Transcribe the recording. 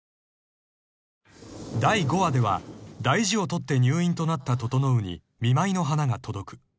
［第５話では大事を取って入院となった整に見舞いの花が届く。